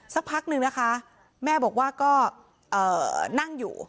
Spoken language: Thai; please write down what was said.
สักพักนึงนะคะแม่บอกว่าก็นั่งอยู่